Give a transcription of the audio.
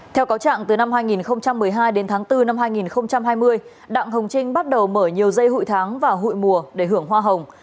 theo cáo trạng từ năm hai nghìn một mươi hai đến tháng bốn năm hai nghìn hai mươi đặng hồng trinh bắt đầu mở nhiều dây hụi tháng và hụi mùa để hưởng hoa hồng